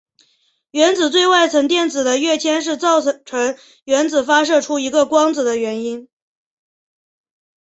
原子最外层电子的跃迁是造成原子发射出一个光子的原因。